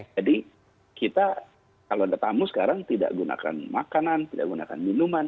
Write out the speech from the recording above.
jadi kita kalau ada tamu sekarang tidak gunakan makanan tidak gunakan minuman